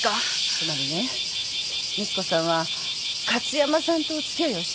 つまりね美知子さんは加津山さんとお付き合いをしていたみたいなの。